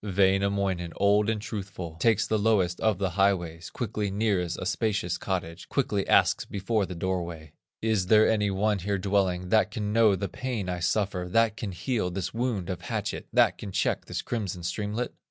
Wainamoinen, old and truthful, Takes the lowest of the highways, Quickly nears a spacious cottage, Quickly asks before the doorway: "Is there any one here dwelling, That can know the pain I suffer, That can heal this wound of hatchet. That can check this crimson streamlet?"